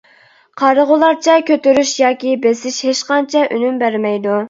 قارىغۇلارچە كۆتۈرۈش ياكى بېسىش ھېچقانچە ئۈنۈم بەرمەيدۇ.